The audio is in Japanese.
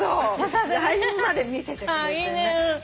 ＬＩＮＥまで見せてくれてね。